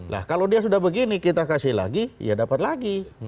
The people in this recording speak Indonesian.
nah kalau dia sudah begini kita kasih lagi ya dapat lagi